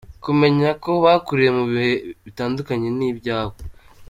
Kumenya ko bakuriye mu bihe bitandukanye n’ibyawe.